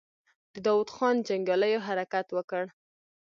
د داوود خان جنګياليو حرکت وکړ.